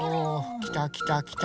きたきたきた。